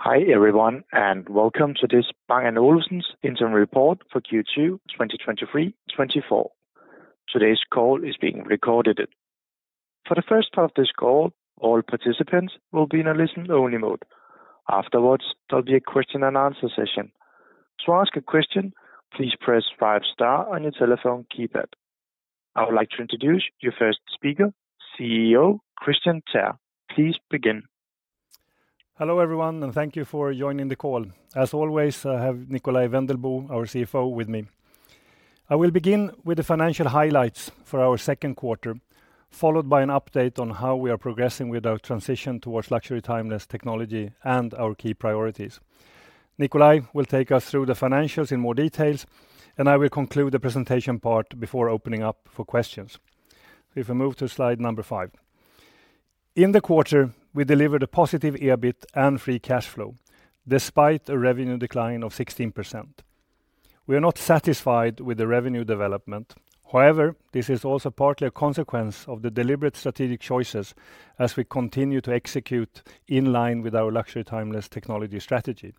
Hi, everyone, and welcome to this Bang & Olufsen's interim report for Q2 2023, 2024. Today's call is being recorded. For the first half of this call, all participants will be in a listen-only mode. Afterwards, there'll be a question and answer session. To ask a question, please press five star on your telephone keypad. I would like to introduce your first speaker, CEO Kristian Teär. Please begin. Hello, everyone, and thank you for joining the call. As always, I have Nikolaj Wendelboe, our CFO, with me. I will begin with the financial highlights for our second quarter, followed by an update on how we are progressing with our transition towards luxury, timeless technology and our key priorities. Nikolaj will take us through the financials in more details, and I will conclude the presentation part before opening up for questions. If we move to slide number 5. In the quarter, we delivered a positive EBIT and free cash flow, despite a revenue decline of 16%. We are not satisfied with the revenue development. However, this is also partly a consequence of the deliberate strategic choices as we continue to execute in line with our luxury, timeless technology strategy.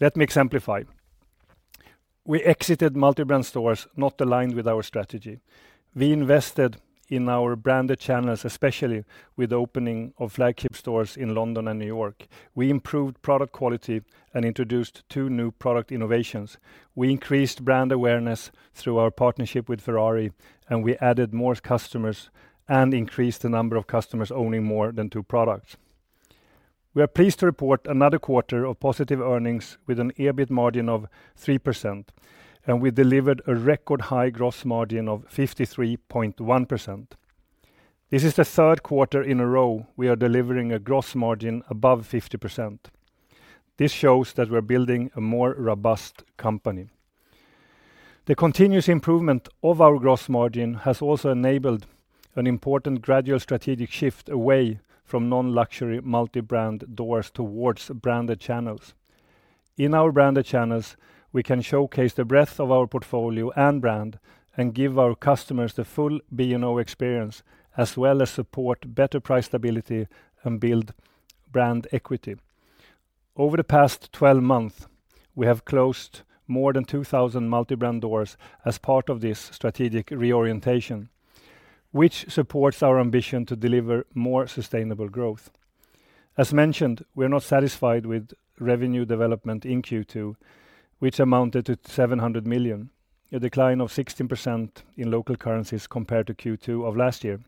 Let me exemplify. We exited multi-brand stores not aligned with our strategy. We invested in our branded channels, especially with the opening of flagship stores in London and New York. We improved product quality and introduced two new product innovations. We increased brand awareness through our partnership with Ferrari, and we added more customers and increased the number of customers owning more than two products. We are pleased to report another quarter of positive earnings with an EBIT margin of 3%, and we delivered a record high gross margin of 53.1%. This is the third quarter in a row we are delivering a gross margin above 50%. This shows that we're building a more robust company. The continuous improvement of our gross margin has also enabled an important gradual strategic shift away from non-luxury multi-brand doors towards branded channels. In our branded channels, we can showcase the breadth of our portfolio and brand and give our customers the full B&O experience, as well as support better price stability and build brand equity. Over the past 12 months, we have closed more than 2,000 multi-brand doors as part of this strategic reorientation, which supports our ambition to deliver more sustainable growth. As mentioned, we are not satisfied with revenue development in Q2, which amounted to 700 million, a decline of 16% in local currencies compared to Q2 of last year.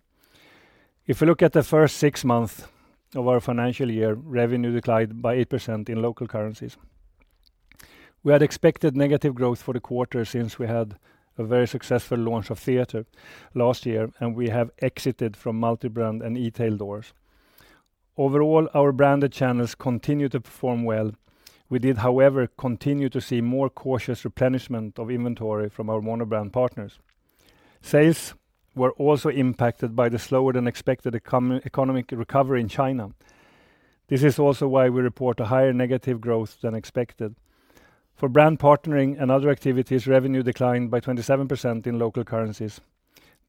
If you look at the first 6 months of our financial year, revenue declined by 8% in local currencies. We had expected negative growth for the quarter since we had a very successful launch of Theatre last year, and we have exited from multi-brand and e-tail doors. Overall, our branded channels continued to perform well. We did, however, continue to see more cautious replenishment of inventory from our monobrand partners. Sales were also impacted by the slower-than-expected economic recovery in China. This is also why we report a higher negative growth than expected. For brand partnering and other activities, revenue declined by 27% in local currencies.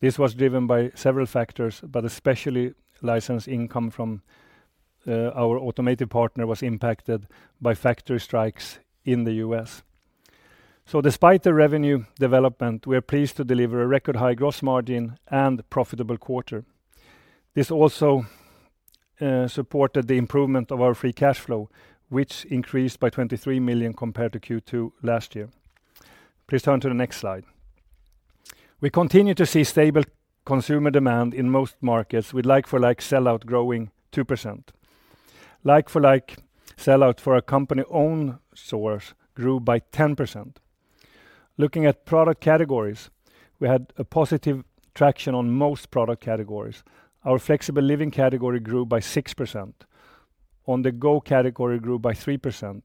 This was driven by several factors, but especially license income from our automotive partner was impacted by factory strikes in the U.S. So despite the revenue development, we are pleased to deliver a record high gross margin and profitable quarter. This also supported the improvement of our free cash flow, which increased by 23 million compared to Q2 last year. Please turn to the next slide. We continue to see stable consumer demand in most markets, with like-for-like sell-out growing 2%. Like-for-like sell-out for our company-owned stores grew by 10%. Looking at product categories, we had positive traction on most product categories. Our Flexible Living category grew by 6%. On-the-Go category grew by 3%,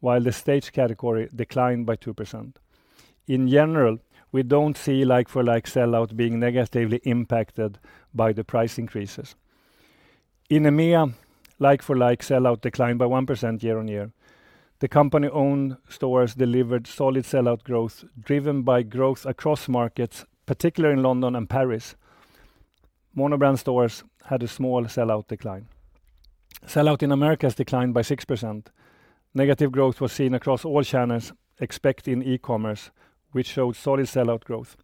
while the Stage category declined by 2%. In general, we don't see like-for-like sell-out being negatively impacted by the price increases. In EMEA, like-for-like sell-out declined by 1% year-on-year. The company-owned stores delivered solid sell-out growth, driven by growth across markets, particularly in London and Paris. Monobrand stores had a small sell-out decline. Sell-out in Americas declined by 6%. Negative growth was seen across all channels, except in e-commerce, which showed solid sell-out growth.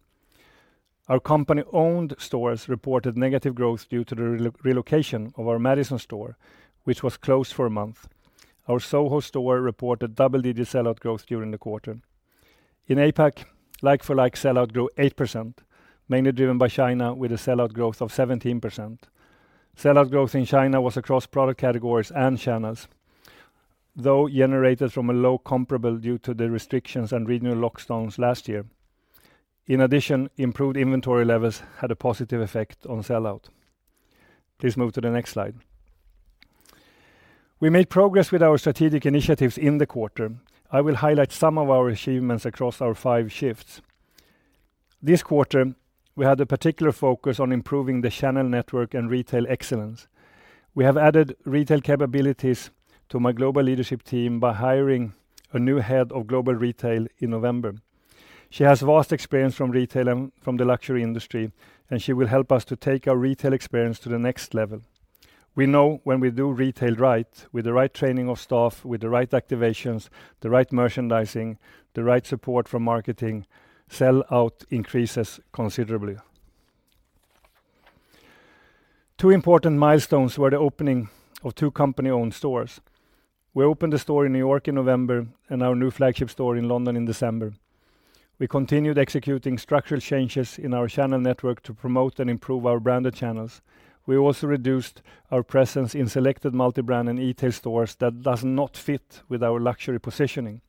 Our company-owned stores reported negative growth due to the relocation of our Madison store, which was closed for a month. Our Soho store reported double-digit sell-out growth during the quarter. In APAC, like-for-like sell-out grew 8%, mainly driven by China, with a sell-out growth of 17%. Sell-out growth in China was across product categories and channels, though generated from a low comparable due to the restrictions and regional lockdowns last year. In addition, improved inventory levels had a positive effect on sell-out. Please move to the next slide. We made progress with our strategic initiatives in the quarter. I will highlight some of our achievements across our five shifts. This quarter, we had a particular focus on improving the channel network and retail excellence. We have added retail capabilities to my global leadership team by hiring a new head of global retail in November. She has vast experience from retail and from the luxury industry, and she will help us to take our retail experience to the next level. We know when we do retail right, with the right training of staff, with the right activations, the right merchandising, the right support from marketing, sell-out increases considerably. Two important milestones were the opening of 2 company-owned stores. We opened a store in New York in November and our new flagship store in London in December. We continued executing structural changes in our channel network to promote and improve our branded channels. We also reduced our presence in selected multi-brand and e-tail stores that do not fit with our luxury positioning.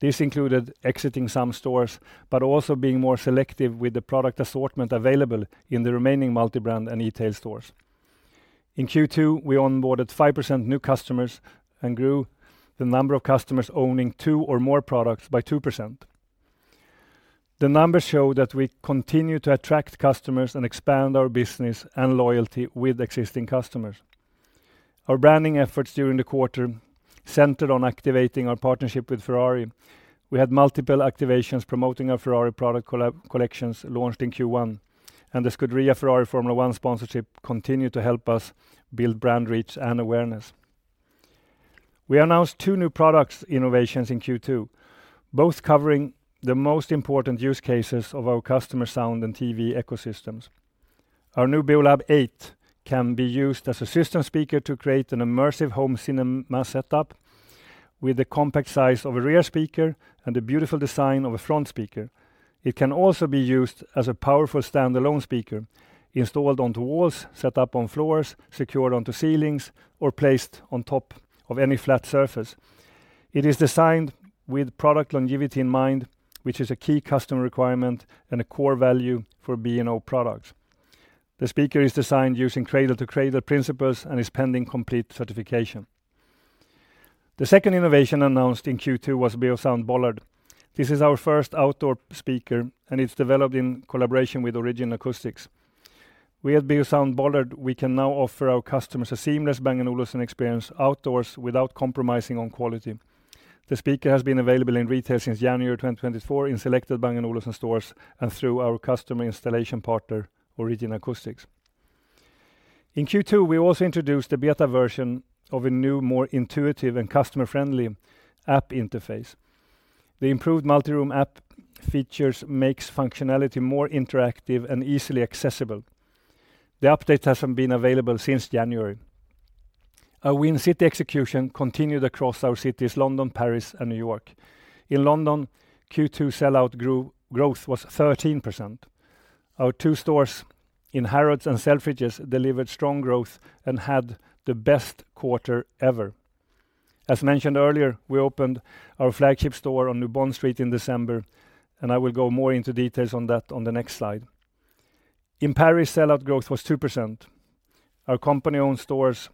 This included exiting some stores, but also being more selective with the product assortment available in the remaining multi-brand and e-tail stores. In Q2, we onboarded 5% new customers and grew the number of customers owning 2 or more products by 2%. The numbers show that we continue to attract customers and expand our business and loyalty with existing customers. Our branding efforts during the quarter centered on activating our partnership with Ferrari. We had multiple activations promoting our Ferrari product collections, launched in Q1, and the Scuderia Ferrari Formula One sponsorship continued to help us build brand reach and awareness. We announced two new product innovations in Q2, both covering the most important use cases of our customer sound and TV ecosystems. Our new Beolab 8 can be used as a system speaker to create an immersive home cinema setup with the compact size of a rear speaker and the beautiful design of a front speaker. It can also be used as a powerful standalone speaker, installed onto walls, set up on floors, secured onto ceilings, or placed on top of any flat surface. It is designed with product longevity in mind, which is a key customer requirement and a core value for B&O products. The speaker is designed using cradle-to-cradle principles and is pending complete certification. The second innovation announced in Q2 was Beosound Bollard. This is our first outdoor speaker, and it's developed in collaboration with Origin Acoustics. With Beosound Bollard, we can now offer our customers a seamless Bang & Olufsen experience outdoors without compromising on quality. The speaker has been available in retail since January 2024 in selected Bang & Olufsen stores and through our customer installation partner, Origin Acoustics. In Q2, we also introduced the beta version of a new, more intuitive and customer-friendly app interface. The improved multi-room app features makes functionality more interactive and easily accessible. The update has been available since January. Our Win City execution continued across our cities, London, Paris and New York. In London, Q2 sell-out growth was 13%. Our two stores in Harrods and Selfridges delivered strong growth and had the best quarter ever. As mentioned earlier, we opened our flagship store on New Bond Street in December, and I will go more into details on that on the next slide. In Paris, sell-out growth was 2%. Our company-owned stores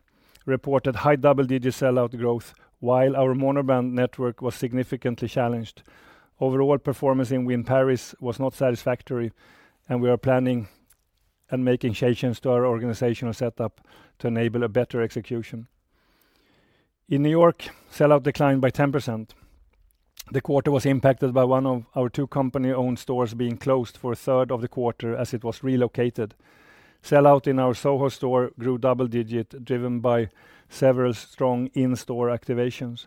reported high double-digit sell-out growth, while our monobrand network was significantly challenged. Overall performance in Win Paris was not satisfactory, and we are planning and making changes to our organizational setup to enable a better execution. In New York, sell-out declined by 10%. The quarter was impacted by one of our two company-owned stores being closed for a third of the quarter as it was relocated. Sell-out in our Soho store grew double digit, driven by several strong in-store activations.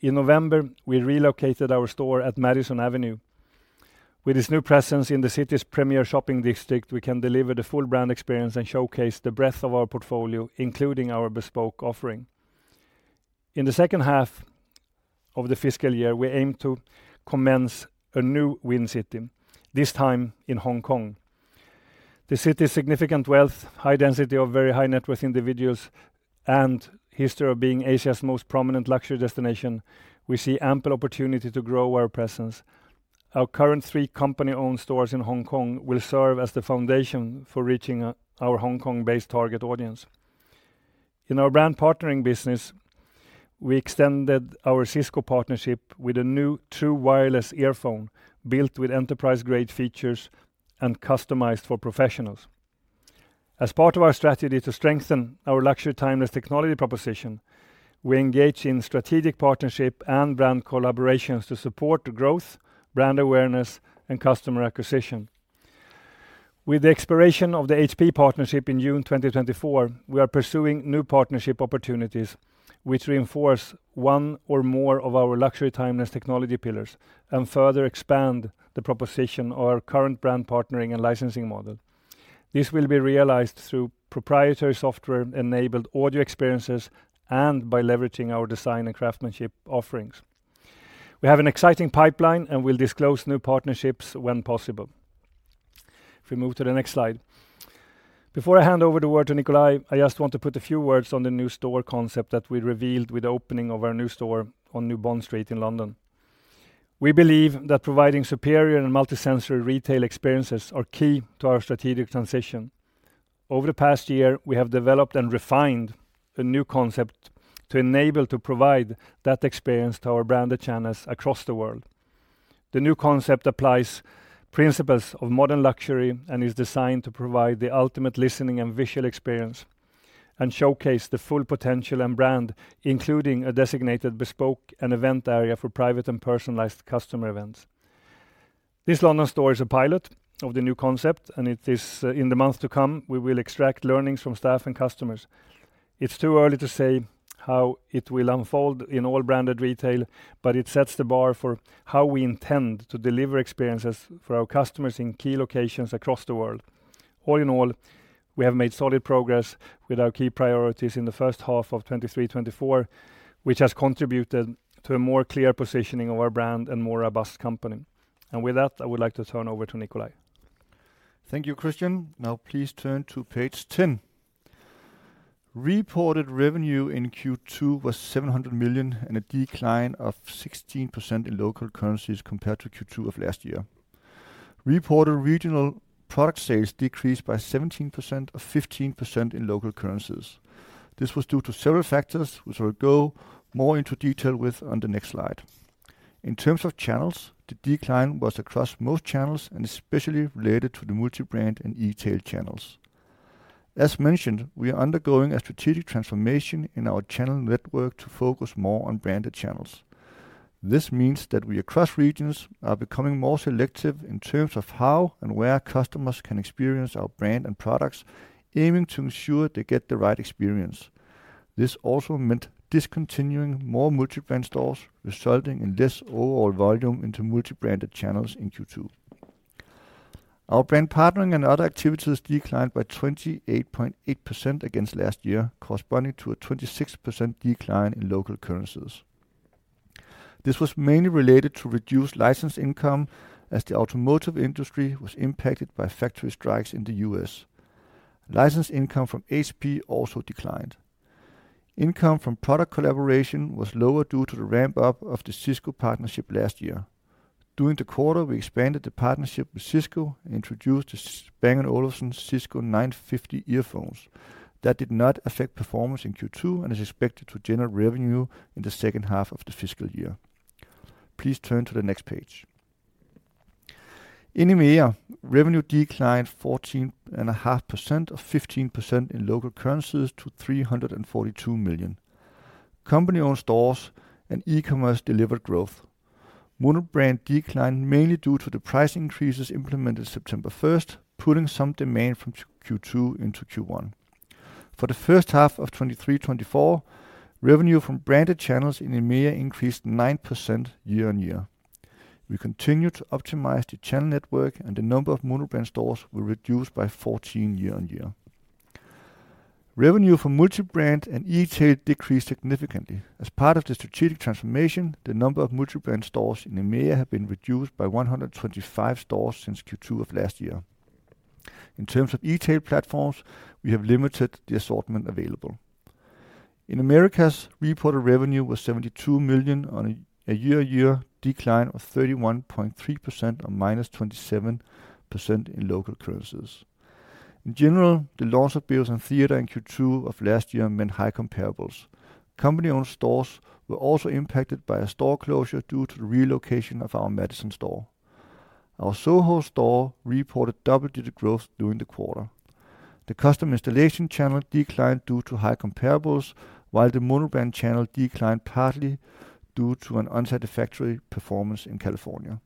In November, we relocated our store at Madison Avenue. With this new presence in the city's premier shopping district, we can deliver the full brand experience and showcase the breadth of our portfolio, including our bespoke offering. In the second half of the fiscal year, we aim to commence a new Win City, this time in Hong Kong. The city's significant wealth, high density of very high-net-worth individuals, and history of being Asia's most prominent luxury destination. We see ample opportunity to grow our presence. Our current three company-owned stores in Hong Kong will serve as the foundation for reaching our Hong Kong-based target audience. In our brand partnering business, we extended our Cisco partnership with a new true wireless earphone built with enterprise-grade features and customized for professionals. As part of our strategy to strengthen our luxury, timeless technology proposition, we engage in strategic partnership and brand collaborations to support the growth, brand awareness, and customer acquisition. With the expiration of the HP partnership in June 2024, we are pursuing new partnership opportunities which reinforce one or more of our luxury, timeless technology pillars and further expand the proposition of our current brand partnering and licensing model. This will be realized through proprietary software-enabled audio experiences and by leveraging our design and craftsmanship offerings. We have an exciting pipeline, and we'll disclose new partnerships when possible. If we move to the next slide. Before I hand over the word to Nikolaj, I just want to put a few words on the new store concept that we revealed with the opening of our new store on New Bond Street in London. We believe that providing superior and multi-sensory retail experiences are key to our strategic transition. Over the past year, we have developed and refined a new concept to enable to provide that experience to our branded channels across the world. The new concept applies principles of modern luxury and is designed to provide the ultimate listening and visual experience... and showcase the full potential and brand, including a designated bespoke and event area for private and personalized customer events. This London store is a pilot of the new concept, and it is, in the months to come, we will extract learnings from staff and customers. It's too early to say how it will unfold in all branded retail, but it sets the bar for how we intend to deliver experiences for our customers in key locations across the world. All in all, we have made solid progress with our key priorities in the first half of 2023/24, which has contributed to a more clear positioning of our brand and more robust company. With that, I would like to turn over to Nikolaj. Thank you, Kristian. Now, please turn to page 10. Reported revenue in Q2 was 700 million and a decline of 16% in local currencies compared to Q2 of last year. Reported regional product sales decreased by 17% or 15% in local currencies. This was due to several factors, which I will go more into detail with on the next slide. In terms of channels, the decline was across most channels and especially related to the multi-brand and E-tail channels. As mentioned, we are undergoing a strategic transformation in our channel network to focus more on branded channels. This means that we, across regions, are becoming more selective in terms of how and where customers can experience our brand and products, aiming to ensure they get the right experience. This also meant discontinuing more multi-brand stores, resulting in less overall volume into multi-branded channels in Q2. Our brand partnering and other activities declined by 28.8% against last year, corresponding to a 26% decline in local currencies. This was mainly related to reduced license income, as the automotive industry was impacted by factory strikes in the U.S. License income from HP also declined. Income from product collaboration was lower due to the ramp-up of the Cisco partnership last year. During the quarter, we expanded the partnership with Cisco and introduced the Bang & Olufsen Cisco 950 earphones. That did not affect performance in Q2 and is expected to generate revenue in the second half of the fiscal year. Please turn to the next page. In EMEA, revenue declined 14.5% or 15% in local currencies to 342 million. Company-owned stores and e-commerce delivered growth. Monobrand declined, mainly due to the price increases implemented September 1, pulling some demand from Q2 into Q1. For the first half of 2023-24, revenue from branded channels in EMEA increased 9% year-on-year. We continue to optimize the channel network, and the number of monobrand stores will reduce by 14 year-on-year. Revenue from multi-brand and e-tail decreased significantly. As part of the strategic transformation, the number of multi-brand stores in EMEA have been reduced by 125 stores since Q2 of last year. In terms of e-tail platforms, we have limited the assortment available. In Americas, reported revenue was 72 million on a year-on-year decline of 31.3% or -27% in local currencies. In general, the loss of Beosound Theatre in Q2 of last year meant high comparables. Company-owned stores were also impacted by a store closure due to the relocation of our Madison store. Our Soho store reported double-digit growth during the quarter. The custom installation channel declined due to high comparables, while the monobrand channel declined partly due to an unsatisfactory performance in California.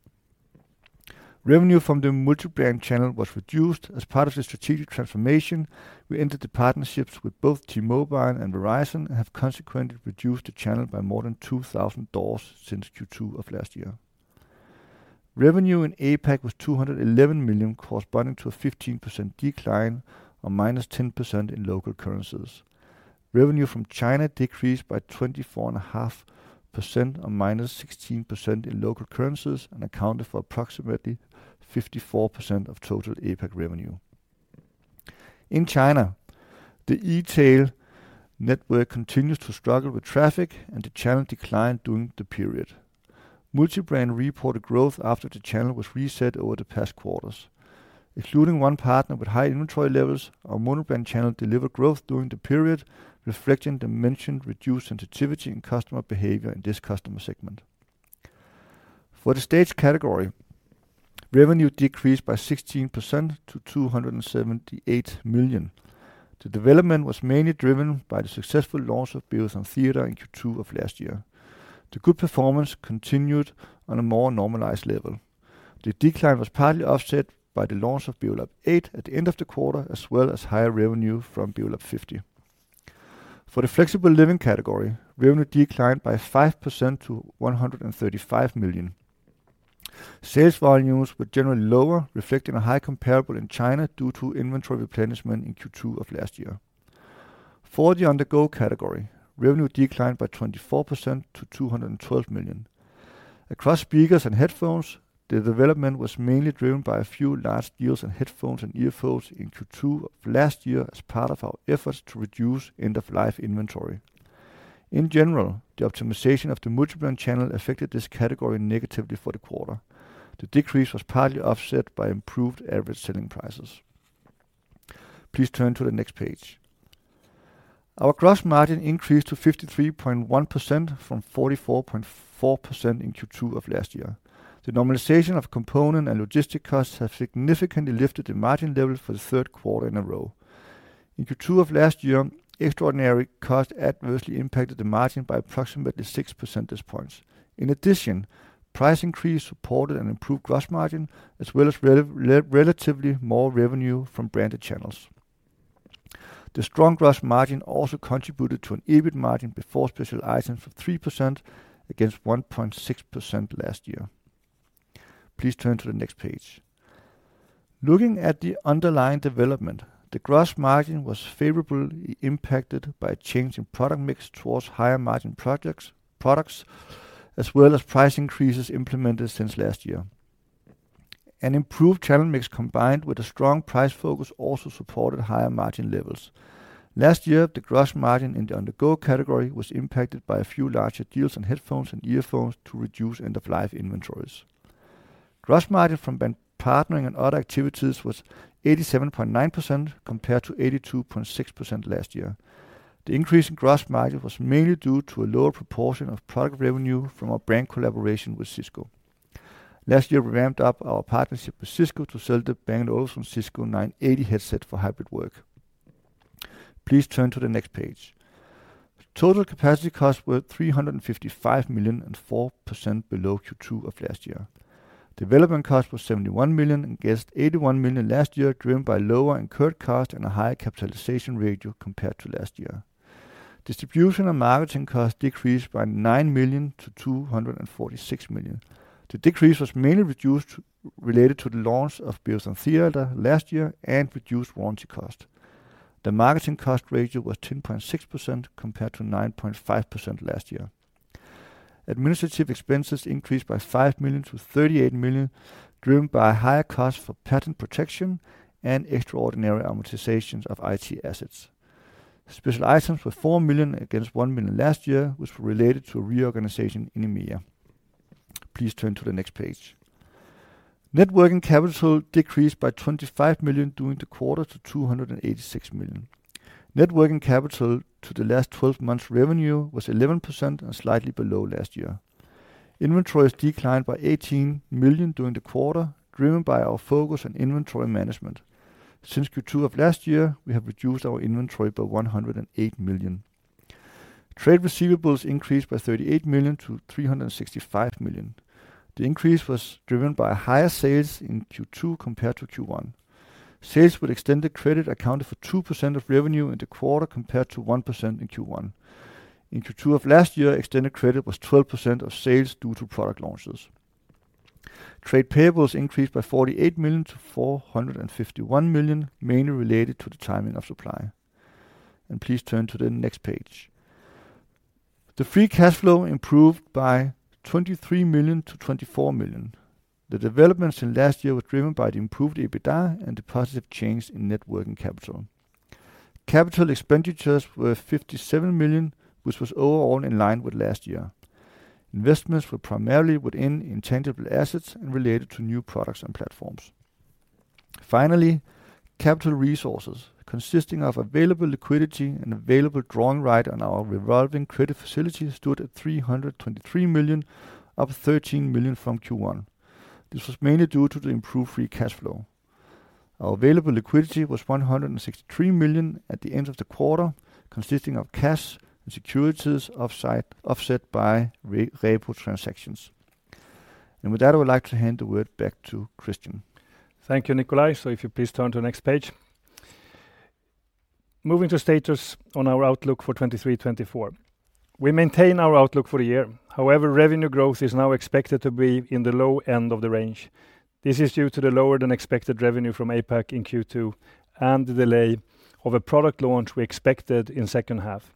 Revenue from the multi-brand channel was reduced. As part of the strategic transformation, we entered the partnerships with both T-Mobile and Verizon and have consequently reduced the channel by more than 2,000 doors since Q2 of last year. Revenue in APAC was 211 million, corresponding to a 15% decline or -10% in local currencies. Revenue from China decreased by 24.5%, or -16% in local currencies, and accounted for approximately 54% of total APAC revenue. In China, the e-tail network continues to struggle with traffic, and the channel declined during the period. Multi-brand reported growth after the channel was reset over the past quarters. Excluding one partner with high inventory levels, our monobrand channel delivered growth during the period, reflecting the mentioned reduced sensitivity in customer behavior in this customer segment. For the Stage category, revenue decreased by 16% to 278 million. The development was mainly driven by the successful launch of Beosound Theatre in Q2 of last year. The good performance continued on a more normalized level. The decline was partly offset by the launch of Beolab 8 at the end of the quarter, as well as higher revenue from Beolab 50. For the Flexible Living category, revenue declined by 5% to 135 million. Sales volumes were generally lower, reflecting a high comparable in China due to inventory replenishment in Q2 of last year. For the On-the-Go category, revenue declined by 24% to 212 million. Across speakers and headphones, the development was mainly driven by a few large deals in headphones and earphones in Q2 of last year as part of our efforts to reduce end-of-life inventory. In general, the optimization of the multi-brand channel affected this category negatively for the quarter. The decrease was partly offset by improved average selling prices. Please turn to the next page. Our gross margin increased to 53.1% from 44.4% in Q2 of last year. The normalization of component and logistic costs have significantly lifted the margin level for the third quarter in a row. In Q2 of last year, extraordinary costs adversely impacted the margin by approximately six percentage points. In addition, price increase supported an improved gross margin, as well as relatively more revenue from branded channels. The strong gross margin also contributed to an EBIT margin before special items of 3% against 1.6% last year. Please turn to the next page. Looking at the underlying development, the gross margin was favorably impacted by a change in product mix towards higher margin projects, products, as well as price increases implemented since last year. An improved channel mix, combined with a strong price focus, also supported higher margin levels. Last year, the gross margin in the On-the-Go category was impacted by a few larger deals on headphones and earphones to reduce end-of-life inventories. Gross margin from brand partnering and other activities was 87.9%, compared to 82.6% last year. The increase in gross margin was mainly due to a lower proportion of product revenue from our brand collaboration with Cisco. Last year, we ramped up our partnership with Cisco to sell the Bang & Olufsen Cisco 980 headset for hybrid work. Please turn to the next page. Total capacity costs were 355 million and 4% below Q2 of last year. Development cost was 71 million against 81 million last year, driven by lower incurred cost and a higher capitalization ratio compared to last year. Distribution and marketing costs decreased by 9 million to 246 million. The decrease was mainly reduced, related to the launch of Beosound Theatre last year and reduced warranty cost. The marketing cost ratio was 10.6%, compared to 9.5% last year. Administrative expenses increased by 5 million to 38 million, driven by higher costs for patent protection and extraordinary amortizations of IT assets. Special items were 4 million against 1 million last year, which were related to a reorganization in EMEA. Please turn to the next page. Net working capital decreased by 25 million during the quarter to 286 million. Net working capital to the last twelve months' revenue was 11% and slightly below last year. Inventories declined by 18 million during the quarter, driven by our focus on inventory management. Since Q2 of last year, we have reduced our inventory by 108 million. Trade receivables increased by 38 million to 365 million. The increase was driven by higher sales in Q2 compared to Q1. Sales with extended credit accounted for 2% of revenue in the quarter, compared to 1% in Q1. In Q2 of last year, extended credit was 12% of sales due to product launches. Trade payables increased by 48 million to 451 million, mainly related to the timing of supply. Please turn to the next page. The free cash flow improved by 23 million to 24 million. The developments in last year were driven by the improved EBITDA and the positive change in net working capital. Capital expenditures were 57 million, which was overall in line with last year. Investments were primarily within intangible assets and related to new products and platforms. Finally, capital resources, consisting of available liquidity and available drawing right on our revolving credit facility, stood at 323 million, up 13 million from Q1. This was mainly due to the improved free cash flow. Our available liquidity was 163 million at the end of the quarter, consisting of cash and securities, offset by repo transactions. And with that, I would like to hand the word back to Kristian. Thank you, Nikolaj. So if you please turn to the next page. Moving to status on our outlook for 2023, 2024. We maintain our outlook for the year. However, revenue growth is now expected to be in the low end of the range. This is due to the lower-than-expected revenue from APAC in Q2 and the delay of a product launch we expected in second half.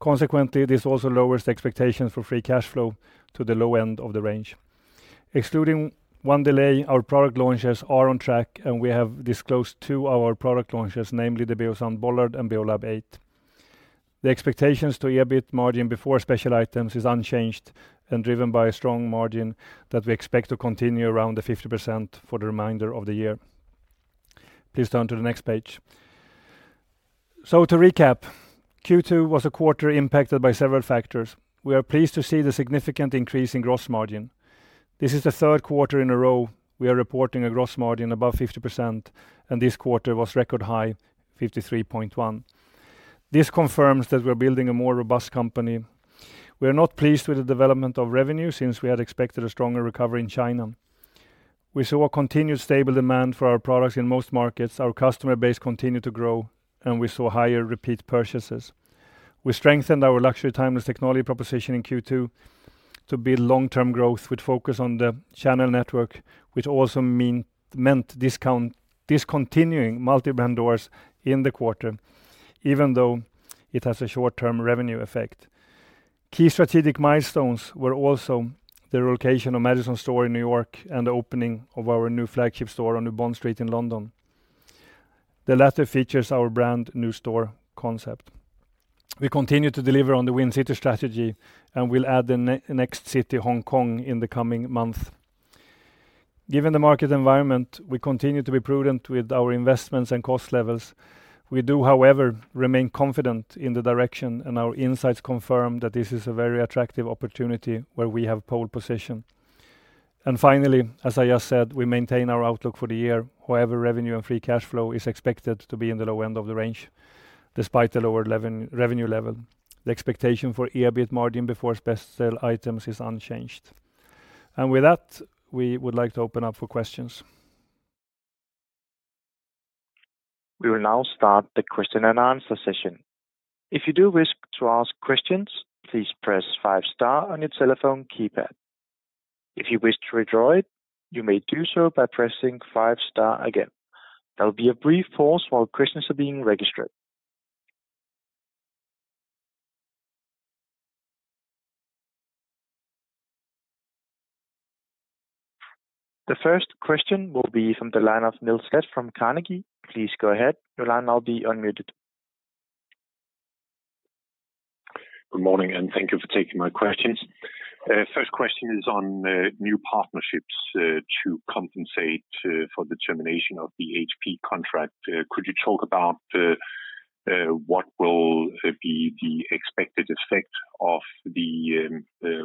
Consequently, this also lowers the expectations for free cash flow to the low end of the range. Excluding one delay, our product launches are on track, and we have disclosed two our product launches, namely the Beosound Bollard and Beolab 8. The expectations to EBIT margin before special items is unchanged and driven by a strong margin that we expect to continue around the 50% for the remainder of the year. Please turn to the next page. So to recap, Q2 was a quarter impacted by several factors. We are pleased to see the significant increase in gross margin. This is the third quarter in a row we are reporting a gross margin above 50%, and this quarter was record high, 53.1%. This confirms that we're building a more robust company. We are not pleased with the development of revenue since we had expected a stronger recovery in China. We saw a continued stable demand for our products in most markets. Our customer base continued to grow, and we saw higher repeat purchases. We strengthened our luxury timeless technology proposition in Q2 to build long-term growth with focus on the channel network, which also meant discontinuing multi-brand doors in the quarter, even though it has a short-term revenue effect. Key strategic milestones were also the relocation of Madison Avenue store in New York and the opening of our new flagship store on New Bond Street in London. The latter features our brand new store concept. We continue to deliver on the Win City strategy, and we'll add the next city, Hong Kong, in the coming month. Given the market environment, we continue to be prudent with our investments and cost levels. We do, however, remain confident in the direction, and our insights confirm that this is a very attractive opportunity where we have pole position.... And finally, as I just said, we maintain our outlook for the year. However, revenue and free cash flow is expected to be in the low end of the range, despite the lower revenue level. The expectation for EBIT margin before special items is unchanged. With that, we would like to open up for questions. We will now start the question and answer session. If you do wish to ask questions, please press five star on your telephone keypad. If you wish to withdraw it, you may do so by pressing five star again. There will be a brief pause while questions are being registered. The first question will be from the line of Niels Granholm-Leth from Carnegie. Please go ahead. Your line now be unmuted. Good morning, and thank you for taking my questions. First question is on new partnerships to compensate for the termination of the HP contract. Could you talk about what will be the expected effect of the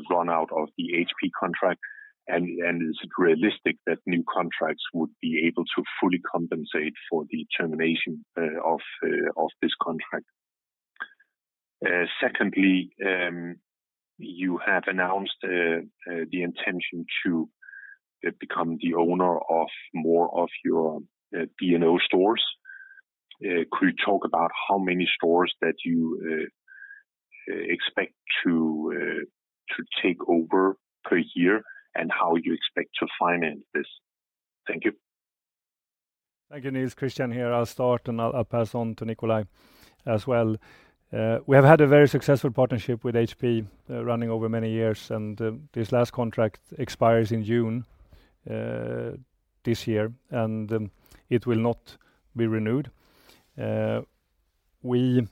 run out of the HP contract? And is it realistic that new contracts would be able to fully compensate for the termination of this contract? Secondly, you have announced the intention to become the owner of more of your B&O stores. Could you talk about how many stores that you expect to take over per year, and how you expect to finance this? Thank you. Thank you, Niels. Kristian here. I'll start, and I'll pass on to Nikolaj as well. We have had a very successful partnership with HP running over many years, and this last contract expires in June this year, and it will not be renewed. We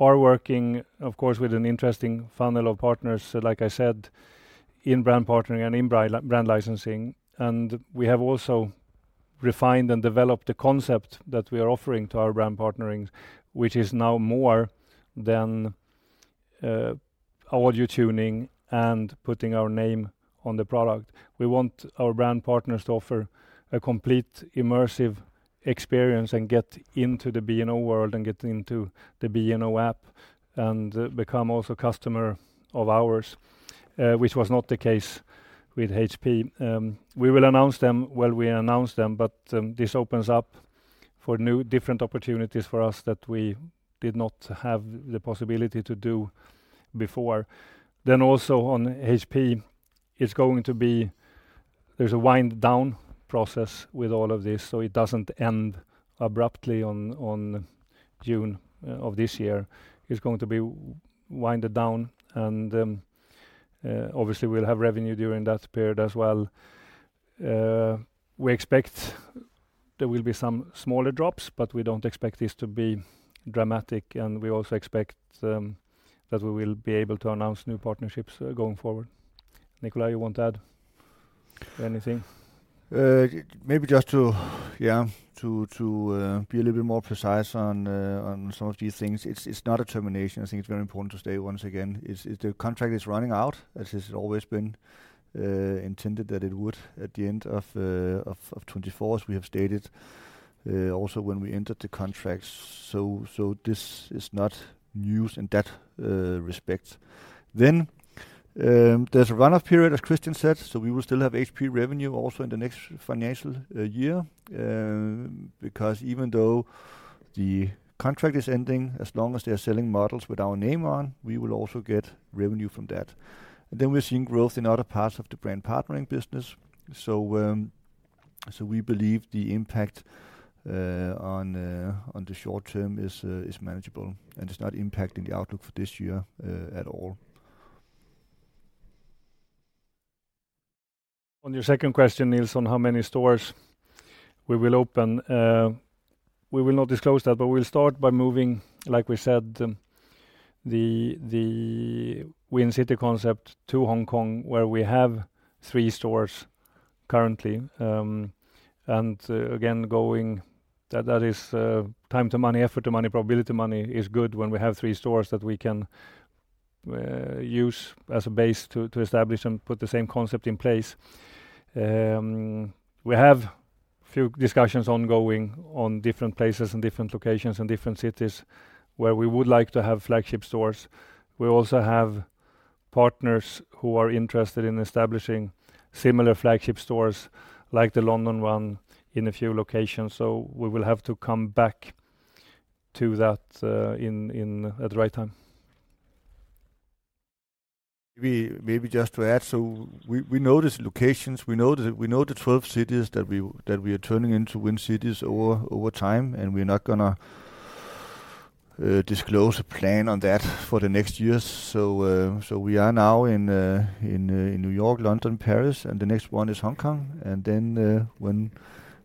are working, of course, with an interesting funnel of partners, like I said, in brand partnering and in brand licensing. We have also refined and developed the concept that we are offering to our brand partnering, which is now more than audio tuning and putting our name on the product. We want our brand partners to offer a complete immersive experience and get into the B&O world, and get into the B&O app, and become also customer of ours, which was not the case with HP. We will announce them when we announce them, but this opens up for new, different opportunities for us that we did not have the possibility to do before. Then also on HP, it's going to be. There's a wind down process with all of this, so it doesn't end abruptly on June of this year. It's going to be winded down and obviously we'll have revenue during that period as well. We expect there will be some smaller drops, but we don't expect this to be dramatic, and we also expect that we will be able to announce new partnerships going forward. Nikolaj, you want to add anything? Maybe just to be a little bit more precise on some of these things. It's not a termination. I think it's very important to state, once again, the contract is running out, as it's always been intended that it would at the end of 2024, as we have stated also when we entered the contract. So this is not news in that respect. Then there's a run-off period, as Kristian said, so we will still have HP revenue also in the next financial year. Because even though the contract is ending, as long as they are selling models with our name on, we will also get revenue from that. And then we're seeing growth in other parts of the brand partnering business. So, we believe the impact on the short-term is manageable and is not impacting the outlook for this year at all. On your second question, Niels, on how many stores we will open. We will not disclose that, but we'll start by moving, like we said, the Win City concept to Hong Kong, where we have three stores currently. And again, going that that is time to money, effort to money, probability to money is good when we have three stores that we can use as a base to establish and put the same concept in place. We have a few discussions ongoing on different places and different locations and different cities where we would like to have flagship stores. We also have partners who are interested in establishing similar flagship stores, like the London one, in a few locations, so we will have to come back to that in at the right time. Maybe, maybe just to add, so we know these locations. We know the 12 cities that we are turning into Win Cities over time, and we're not gonna disclose a plan on that for the next years. So we are now in New York, London, Paris, and the next one is Hong Kong. And then, when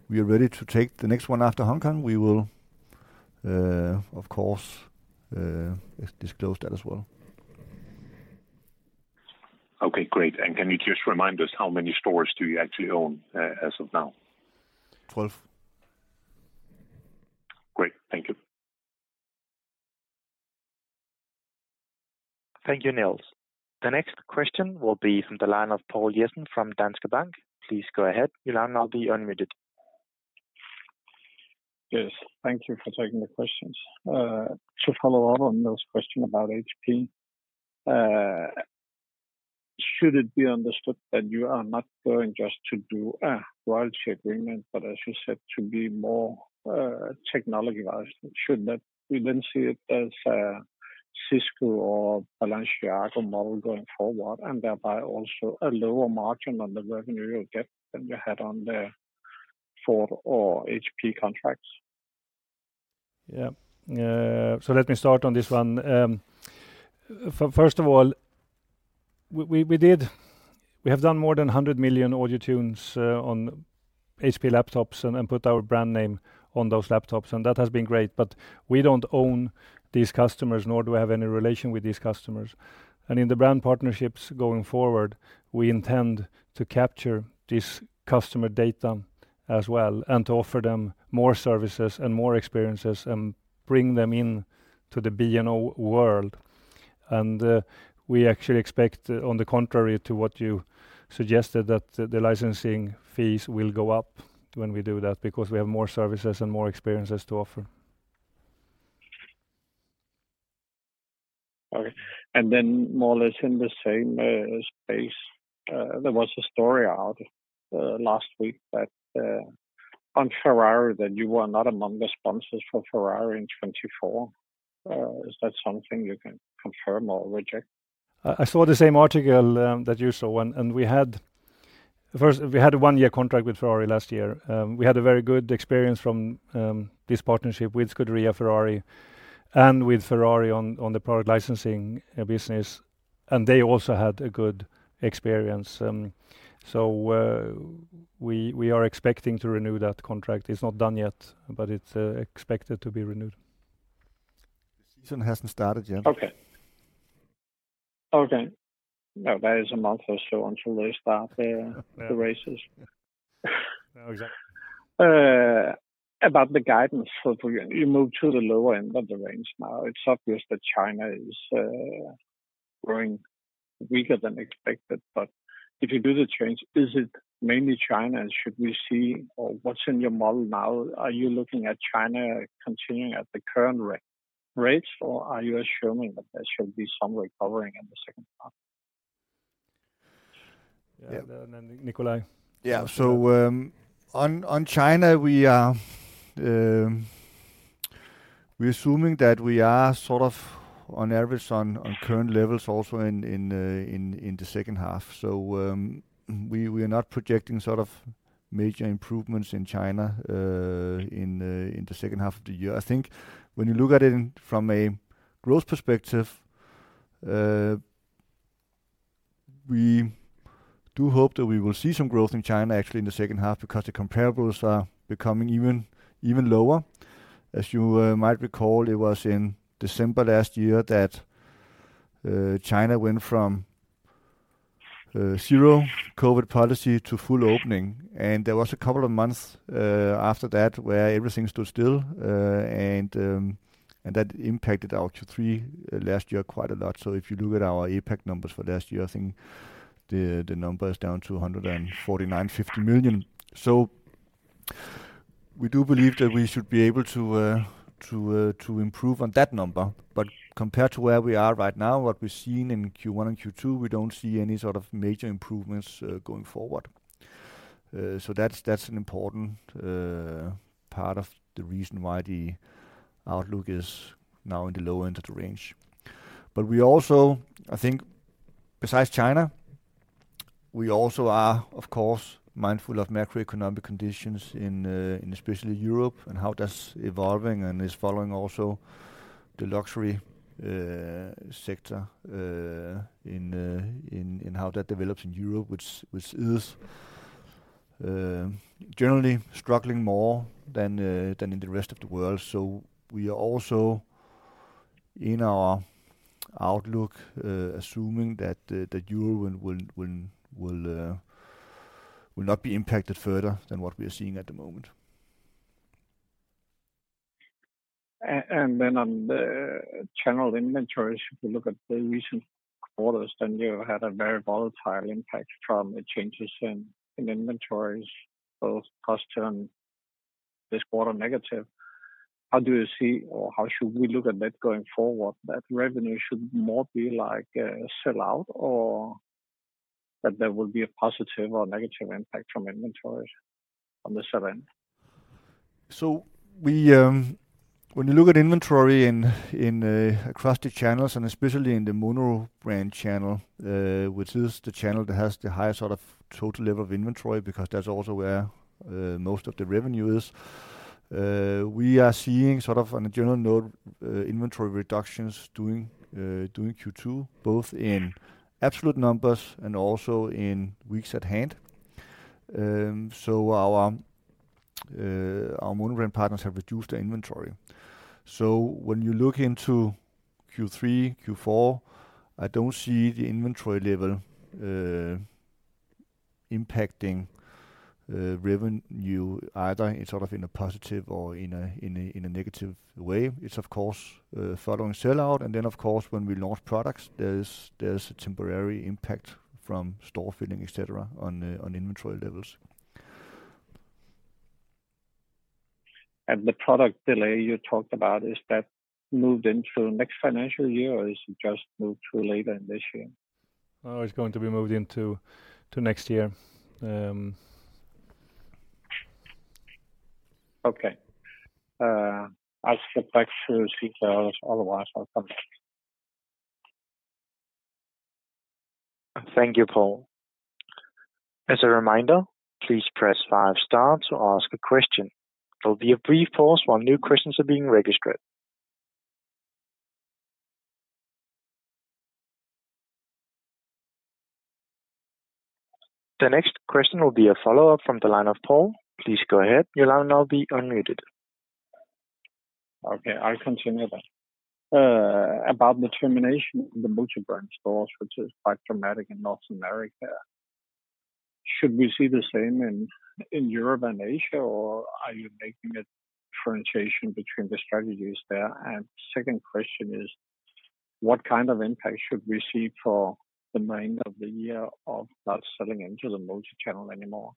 we are ready to take the next one after Hong Kong, we will of course disclose that as well. Okay, great. Can you just remind us how many stores do you actually own, as of now? Twelve. Thank you, Niels. The next question will be from the line of Poul Jessen from Danske Bank. Please go ahead. Your line now be unmuted. Yes, thank you for taking the questions. To follow up on Niels' question about HP, should it be understood that you are not going just to do a royalty agreement, but as you said, to be more, technology-wise? Should that we then see it as a Cisco or Balenciaga model going forward, and thereby also a lower margin on the revenue you'll get than you had on the Ford or HP contracts? Yeah. So let me start on this one. First of all, we have done more than 100 million audio tunes on HP laptops and put our brand name on those laptops, and that has been great, but we don't own these customers, nor do we have any relation with these customers. In the brand partnerships going forward, we intend to capture this customer data as well, and to offer them more services and more experiences and bring them in to the B&O world. We actually expect, on the contrary to what you suggested, that the licensing fees will go up when we do that, because we have more services and more experiences to offer. Okay. And then more or less in the same space, there was a story out last week that on Ferrari, that you were not among the sponsors for Ferrari in 2024. Is that something you can confirm or reject? I saw the same article that you saw, and we had first, we had a 1-year contract with Ferrari last year. We had a very good experience from this partnership with Scuderia Ferrari and with Ferrari on the product licensing business, and they also had a good experience. So, we are expecting to renew that contract. It's not done yet, but it's expected to be renewed. The season hasn't started yet. Okay. Okay. Now, there is a month or so until they start the, Yeah the races. Exactly. About the guidance for you. You moved to the lower end of the range now. It's obvious that China is growing weaker than expected, but if you do the change, is it mainly China, and should we see. Or what's in your model now? Are you looking at China continuing at the current rates, or are you assuming that there should be some recovering in the second half? Yeah. And then Nikolaj. Yeah. So, on China, we are assuming that we are sort of on average on current levels also in the second half. So, we are not projecting sort of major improvements in China, in the second half of the year. I think when you look at it from a growth perspective, we do hope that we will see some growth in China, actually, in the second half, because the comparables are becoming even lower. As you might recall, it was in December last year that China went from zero COVID policy to full opening, and there was a couple of months after that where everything stood still. And that impacted our Q3 last year quite a lot. So if you look at our APAC numbers for last year, I think the number is down to 149.5 million. So we do believe that we should be able to to improve on that number. But compared to where we are right now, what we've seen in Q1 and Q2, we don't see any sort of major improvements going forward. So that's an important part of the reason why the outlook is now in the low end of the range. But we also—I think, besides China, we also are, of course, mindful of macroeconomic conditions in, especially Europe, and how that's evolving and is following also the luxury sector in how that develops in Europe, which is generally struggling more than in the rest of the world. So we are also, in our outlook, assuming that the euro will not be impacted further than what we are seeing at the moment. And then on the channel inventories, if you look at the recent quarters, then you had a very volatile impact from the changes in inventories, both positive and this quarter, negative. How do you see or how should we look at that going forward? That revenue should more be like a sell-out or that there will be a positive or negative impact from inventories on the sell-in? So we, when you look at inventory in across the channels, and especially in the monobrand channel, which is the channel that has the highest sort of total level of inventory, because that's also where most of the revenue is. We are seeing sort of, on a general note, inventory reductions during Q2, both in absolute numbers and also in weeks at hand. So our monobrand partners have reduced their inventory. So when you look into Q3, Q4, I don't see the inventory level impacting revenue, either in sort of a positive or in a negative way. It's of course following sell-out, and then of course, when we launch products, there's a temporary impact from store filling, et cetera, on inventory levels. The product delay you talked about, is that moved into next financial year, or is it just moved to later in this year? Oh, it's going to be moved into next year. Okay. I'll step back to details, otherwise I'll come back. Thank you, Poul. As a reminder, please press 5 star to ask a question. There will be a brief pause while new questions are being registered. The next question will be a follow-up from the line of Poul. Please go ahead. Your line will now be unmuted. Okay, I'll continue then. About the termination of the multi-brand stores, which is quite dramatic in North America. Should we see the same in Europe and Asia, or are you making a differentiation between the strategies there? And second question is: What kind of impact should we see for the remainder of the year of not selling into the multi-channel anymore?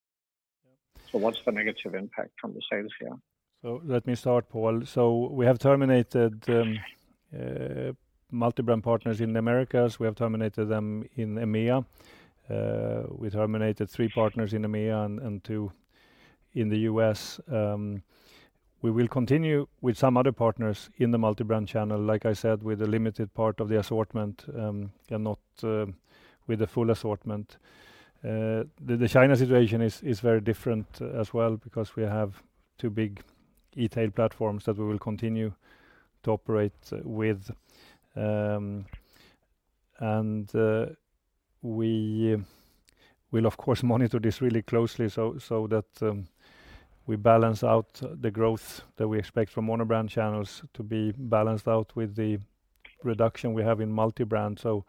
Yeah. What's the negative impact from the sales here? So let me start, Poul. So we have terminated multi-brand partners in Americas. We have terminated them in EMEA. We terminated three partners in EMEA and two in the U.S. We will continue with some other partners in the multi-brand channel, like I said, with a limited part of the assortment, and not with the full assortment. The China situation is very different as well because we have two big e-tail platforms that we will continue to operate with. And we will, of course, monitor this really closely so that we balance out the growth that we expect from mono-brand channels to be balanced out with the reduction we have in multi-brand. So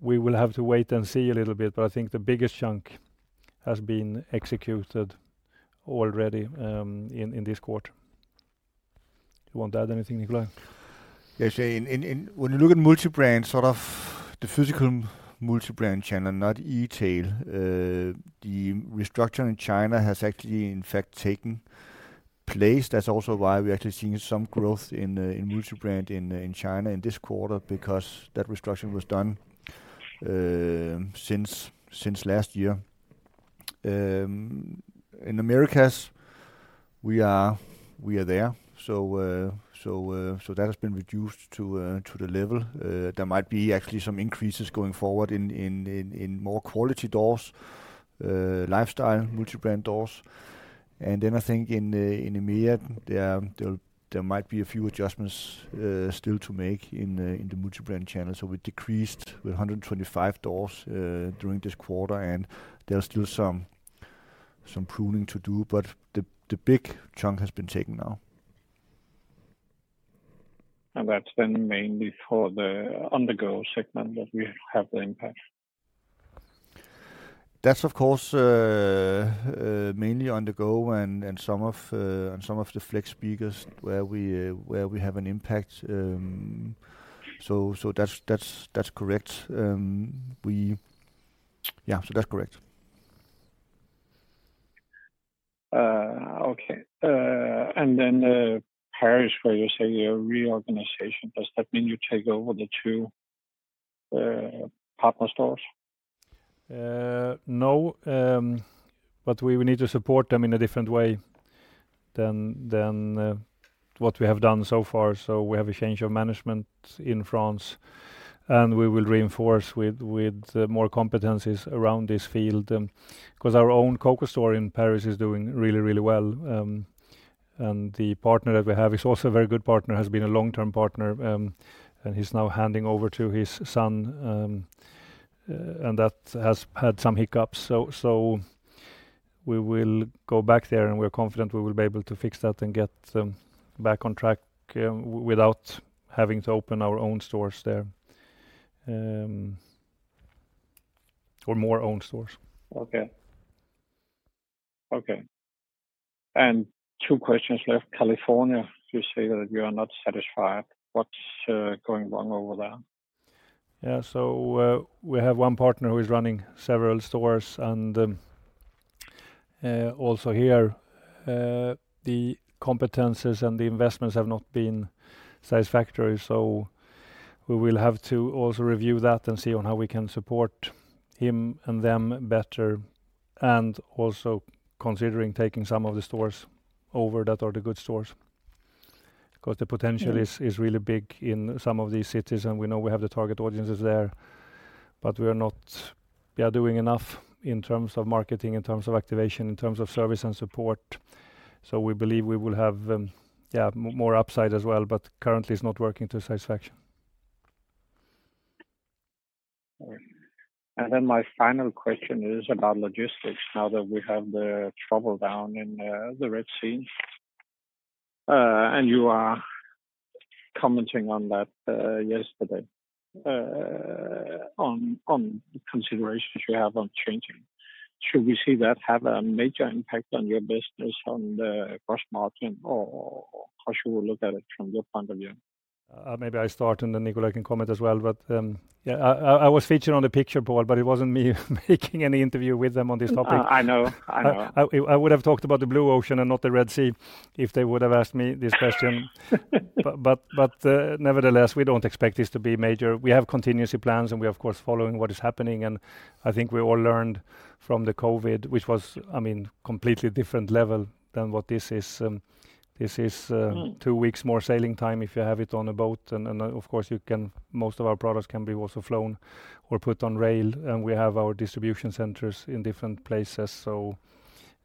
we will have to wait and see a little bit, but I think the biggest chunk has been executed already, in this quarter. You want to add anything, Nikolaj? Yes. Yeah, in. When you look at multi-brand, sort of the physical multi-brand channel, not e-tail, the restructuring in China has actually, in fact, taken place. That's also why we're actually seeing some growth in multi-brand in China in this quarter, because that restructuring was done since last year. In Americas, we are there, so that has been reduced to the level. There might be actually some increases going forward in more quality doors, lifestyle multi-brand doors. And then I think in EMEA, there might be a few adjustments still to make in the multi-brand channel. So we decreased with 125 doors during this quarter, and there are still some pruning to do, but the big chunk has been taken now. That's been mainly for the On-the-Go segment that we have the impact? That's of course mainly On-the-Go and some of the flex speakers where we have an impact. So that's correct. Yeah, so that's correct. Okay. And then, Paris, where you say a reorganization, does that mean you take over the two partner stores? No. But we will need to support them in a different way than what we have done so far. So we have a change of management in France, and we will reinforce with more competencies around this field. 'Cause our own company store in Paris is doing really, really well. And the partner that we have is also a very good partner, has been a long-term partner, and he's now handing over to his son. And that has had some hiccups. So we will go back there, and we're confident we will be able to fix that and get back on track, without having to open our own stores there, or more own stores. Okay. Okay, and two questions left. California, you say that you are not satisfied. What's going wrong over there? Yeah. So, we have one partner who is running several stores, and, also here, the competencies and the investments have not been satisfactory, so we will have to also review that and see on how we can support him and them better, and also considering taking some of the stores over that are the good stores. 'Cause the potential- Yeah is really big in some of these cities, and we know we have the target audiences there, but we are not doing enough in terms of marketing, in terms of activation, in terms of service and support. So we believe we will have more upside as well, but currently it's not working to satisfaction. All right. And then my final question is about logistics, now that we have the trouble down in the Red Sea, and you are commenting on that yesterday, on the considerations you have on changing. Should we see that have a major impact on your business, on the gross margin, or how you will look at it from your point of view? Maybe I start, and then Nikolaj can comment as well. But, yeah, I was featured on the picture, Poul, but it wasn't me making any interview with them on this topic. I know. I know. I would have talked about the blue ocean and not the Red Sea if they would have asked me this question. But, nevertheless, we don't expect this to be major. We have contingency plans, and we're, of course, following what is happening, and I think we all learned from the COVID, which was, I mean, completely different level than what this is. This is, .two weeks more sailing time if you have it on a boat. And, of course, you can—most of our products can be also flown or put on rail, and we have our distribution centers in different places. So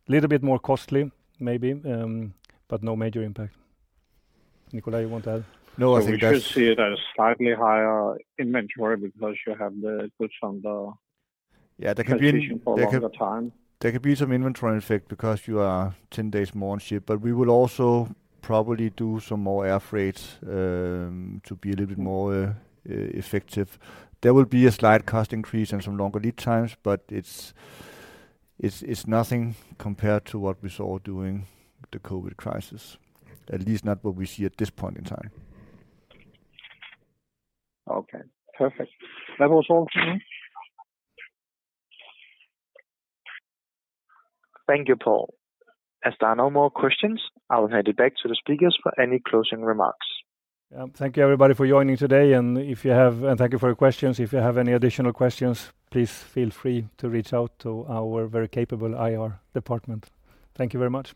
little bit more costly maybe, but no major impact. Nikolaj, you want to add? No, I think that's- So we should see it as slightly higher inventory because you have the goods on the- Yeah, there could be- Transportation for a longer time. There could be some inventory effect because you are 10 days more on ship, but we will also probably do some more air freights to be a little bit more effective. There will be a slight cost increase and some longer lead times, but it's nothing compared to what we saw during the COVID crisis. At least not what we see at this point in time. Okay, perfect. That was all for me. Thank you, Poul. As there are no more questions, I will hand it back to the speakers for any closing remarks. Thank you, everybody, for joining today, and if you have... Thank you for your questions. If you have any additional questions, please feel free to reach out to our very capable IR department. Thank you very much.